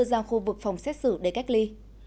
giao khu vực phòng xét xử để cách ly